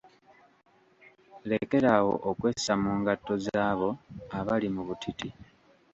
Lekeraawo okwessa mu ngatto z'abo abali mu butiti.